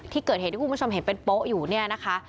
ที่เกิดเหตุที่คุณผู้ชมเห็นเป็นโป๊ะอยู่เนี่ยนะคะ